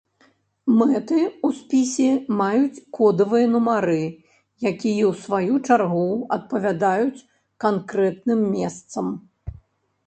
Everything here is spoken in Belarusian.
Мэты ў спісе маюць кодавыя нумары, якія ў сваю чаргу адпавядаюць канкрэтным месцам.